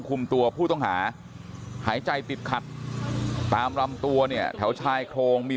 คุมตัวผู้ต้องหาหายใจติดขัดตามลำตัวเนี่ยแถวชายโครงมี